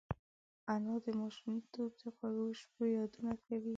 انا د ماشومتوب د خوږو شپو یادونه کوي